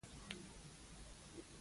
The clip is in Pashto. دومره سترې انساني فاجعې مخ یې خدای ته و.